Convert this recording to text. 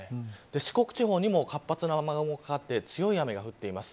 四国地方にも活発な雨雲がかかって強い雨が降っています。